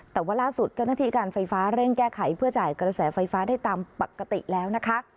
แต่ว่าล่าสุดเจ้าหน้าที่การไฟฟ้าเร่งแก้ไขเพื่อจ่ายกระแสไฟฟ้าได้ตามปกติแล้วนะคะ